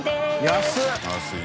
安い！